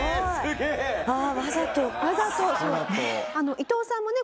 伊藤さんもね